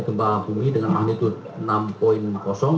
terjadi gempa bumi dengan magnitud enam poin kosong